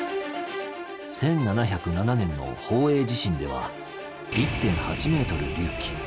１７０７年の宝永地震では１．８ｍ隆起。